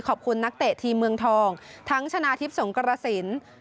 ขอบคุณนักเตะทีมเมืองทองทั้งชนะทิพย์สงกรสิน